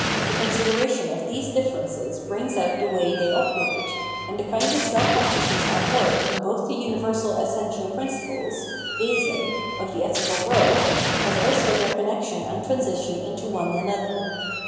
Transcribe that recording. The consideration of these differences brings out the way they operate, and the kind of self consciousness at work in both the uni versal essential principles (Wesen) of the ethical world, as also their connection and transition into one an other.